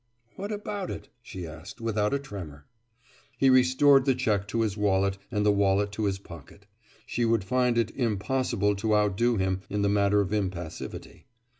"What about it?" she asked, without a tremor. He restored the check to his wallet and the wallet to his pocket. She would find it impossible to outdo him in the matter of impassivity.